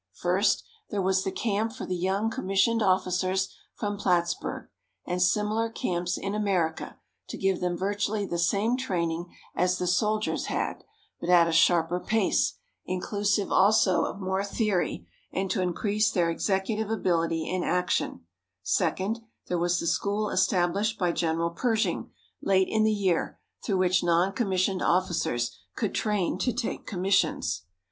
First, there was the camp for the young commissioned officers from Plattsburg, and similar camps in America, to give them virtually the same training as the soldiers had, but at a sharper pace, inclusive also of more theory, and to increase their executive ability in action; second, there was the school established by General Pershing, late in the year, through which non commissioned officers could train to take commissions.